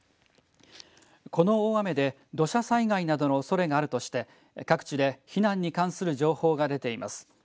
この大雨で土砂災害などのおそれがあるとして各地で避難に関する情報が出ています。